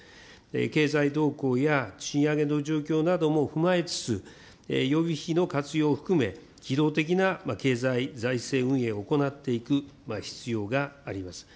経済動向や賃上げの状況なども踏まえつつ、予備費の活用も含め、機動的な経済財政運営を行っていく必要があります。